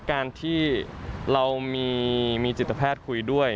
การที่เรามีจิตแพทย์คุยด้วย